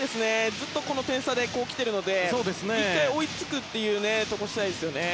ずっと、この点差で来ているので１回、追いつくということをしたいですよね。